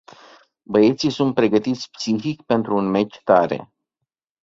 Băieții sunt pregătiți psihic pentru un meci tare.